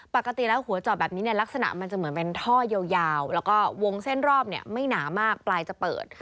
ปกติแล้วหัวจอดแบบนี้เนี่ยลักษณะมันจะเหมือนเป็นท่อยาวแล้วก็วงเส้นรอบเนี่ยไม่หนามากปลายจะเปิด